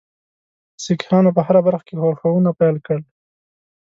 سیکهانو په هره برخه کې ښورښونه پیل کړل.